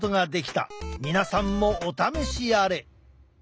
皆さんもお試しあれ！